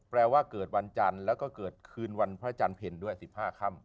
ว่าเกิดวันจันทร์แล้วก็เกิดคืนวันพระจันทร์เพลด้วย๑๕ค่ำ